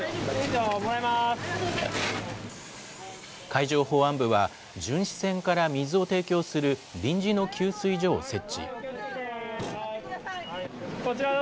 海上保安部は、巡視船から水を提供する臨時の給水所を設置。